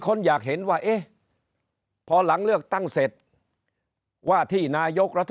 คนอยากเห็นว่าเอ๊ะพอหลังเลือกตั้งเสร็จว่าที่นายกรัฐ